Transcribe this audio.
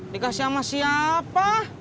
dikasih sama siapa